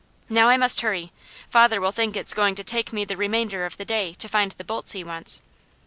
Now I must hurry. Father will think it's going to take me the remainder of the day to find the bolts he wants."